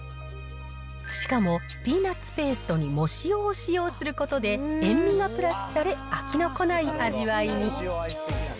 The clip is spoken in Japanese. しかも、ピーナッツペーストに藻塩を使用することで塩味がプラスされ、飽きのこない味わいに。